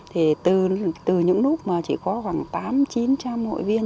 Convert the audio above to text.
từ những lúc mà chỉ có khoảng tám trăm linh chín trăm linh hội viên